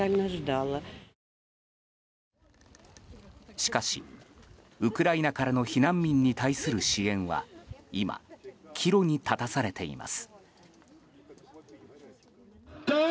しかし、ウクライナからの避難民に対する支援は今岐路に立たされています。